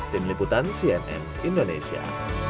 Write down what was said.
tim liputan cnn indonesia